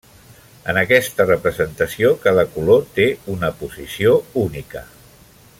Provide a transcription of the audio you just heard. En aquesta representació, cada color té una posició única.